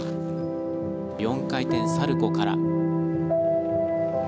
４回転サルコウから。